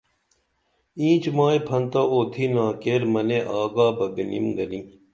اینچ مائی پھنتہ اُوتِھنا کیر منے آگا بہ بِنِم گنی